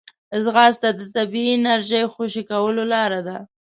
ځغاسته د طبیعي انرژۍ خوشې کولو لاره ده